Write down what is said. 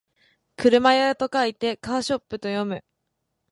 車屋と書いてカーショップと読む